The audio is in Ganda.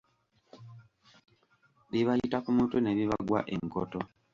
Bibayita ku mutwe ne bibagwa enkoto.